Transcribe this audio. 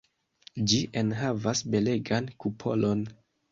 Ĝi enhavas belegan kupolon.